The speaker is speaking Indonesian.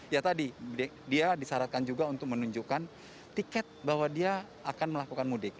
ya tadi dia disyaratkan juga untuk menunjukkan tiket bahwa dia akan melakukan mudik